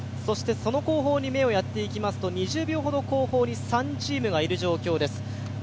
その後方に目をやっていきますと２０秒ほど後方に３チームがいる状況です。